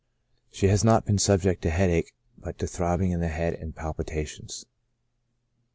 She has not been subject to headache, but to throbbing in the head and palpitations.